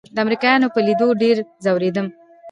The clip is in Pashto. د امريکايانو په ليدو ډېر ځورېدم.